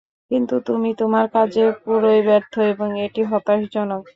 কিন্তু তুমি তোমার কাজে পুরোই ব্যর্থ এবং এটি হতাশাজনক।